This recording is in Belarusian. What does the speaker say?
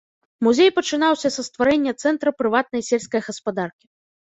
Музей пачынаўся са стварэння цэнтра прыватнай сельскай гаспадаркі.